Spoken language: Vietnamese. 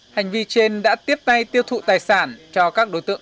hành vi trên đã tiếp tay tiêu thụ tài sản cho các đối tượng